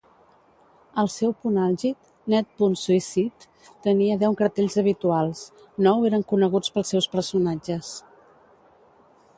Al seu punt àlgid, "net.suicide" tenia deu cartells habituals; nou eren coneguts pels seus personatges.